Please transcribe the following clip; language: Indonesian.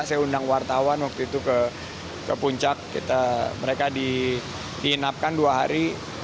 saya undang wartawan waktu itu ke puncak mereka diinapkan dua hari